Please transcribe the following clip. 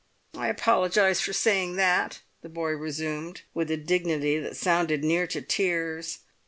"I apologise for saying that," the boy resumed, with a dignity that sounded near to tears.